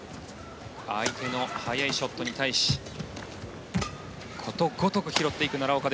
相手の速いショットに対しことごとく拾っていく奈良岡。